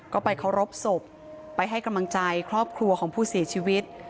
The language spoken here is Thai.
ก็ไปเคารพศพไปให้กำลังใจครอบครัวของผู้เสียชีวิต